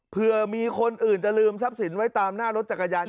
เพื่อมีคนอื่นจะลืมทรัพย์สินไว้ตามหน้ารถจักรยาน